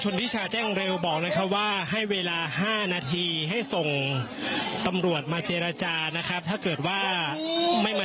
นิชาแจ้งเร็วบอกนะครับว่าให้เวลา๕นาทีให้ส่งตำรวจมาเจรจานะครับถ้าเกิดว่าไม่มา